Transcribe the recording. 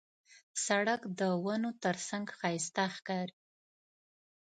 سړک د ونو ترڅنګ ښایسته ښکاري.